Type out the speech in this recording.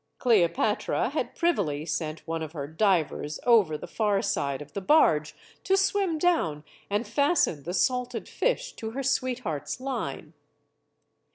Cleo patra had privily sent one of her divers over the far side of the barge to swim down and fasten the salted fish to her sweetheart's line.